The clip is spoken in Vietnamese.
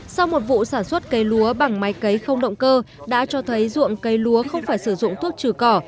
sau một vụ sản xuất cây lúa bằng máy cấy không động cơ đã cho thấy ruộng cây lúa không phải sử dụng thuốc trừ cỏ